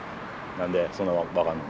何でそんな分かるの？